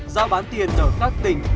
giao bán tiền ở các tỉnh